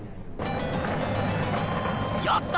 やった！